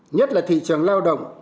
nhất là thị trường lao động